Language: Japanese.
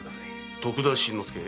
徳田新之助。